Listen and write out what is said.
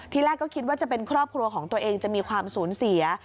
แรกก็คิดว่าจะเป็นครอบครัวของตัวเองจะมีความสูญเสีย